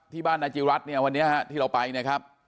ที่บ้านนายจีรัฐเนี่ยวันนี้ฮะที่เราไปนะครับ